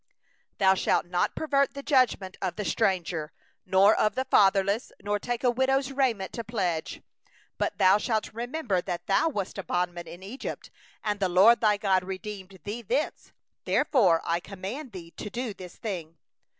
17Thou shalt not pervert the justice due to the stranger, or to the fatherless; nor take the widow's raiment to pledge. 18But thou shalt remember that thou wast a bondman in Egypt, and the LORD thy God redeemed thee thence; therefore I command thee to do this thing.